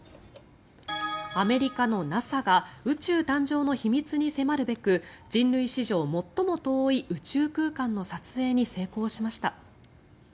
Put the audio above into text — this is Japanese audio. アメリカのＮＡＳＡが宇宙誕生の秘密に迫るべく人類史上最も遠い宇宙空間の撮影に成功しました。